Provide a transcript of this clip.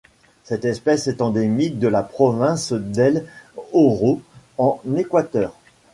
Cette espèce est endémique de la province d'El Oro en Équateur.